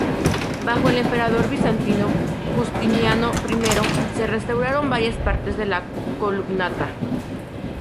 Bajo el emperador bizantino, Justiniano I, se restauraron varias partes de la columnata.